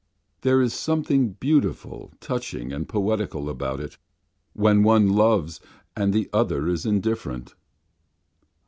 There is something beautiful, touching, and poetical about it when one loves and the other is indifferent.